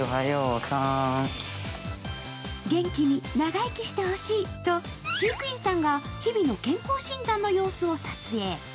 元気に長生きしてほしいと飼育員さんが日々の健康診断の様子を撮影。